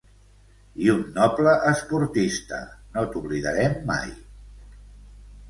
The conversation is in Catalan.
I un noble esportista No t’oblidarem mai.